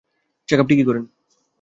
Checkup ঠিকই করেন।